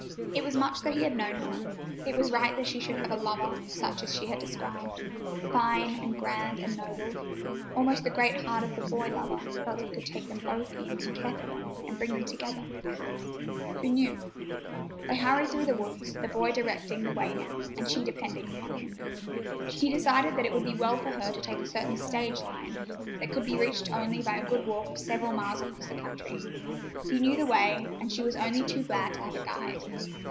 It was much that he had known her. It was right that she should have a lover such as she had described—"fine and grand and noble." Almost the great heart of the boy lover felt he could take them both in and care for them, and bring them together, perhaps—who knew? They hurried through the woods, the boy directing the way now, and she depending upon him. He decided that It would be well for her to take a certain stage line that could be reached only by a good walk of several miles across the country. He knew the way, and she was only too glad to have a guide.